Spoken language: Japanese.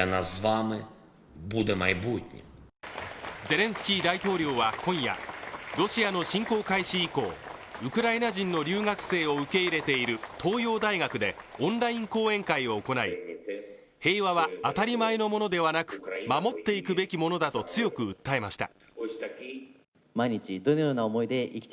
ゼレンスキー大統領は今夜ロシアの侵攻開始以降ウクライナ人の留学生を受け入れている東洋大学でオンライン講演会を行い平和は当たり前のものではなく、守っていくべきものだと強く訴えました。